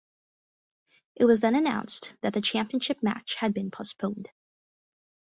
It was then announced that the championship match had been postponed.